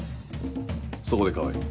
そこで川合。